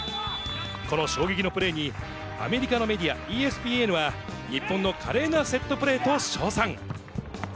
この衝撃のプレーに、アメリカのメディア、ＥＳＰＮは、日本の華麗なセットプレーと賞賛。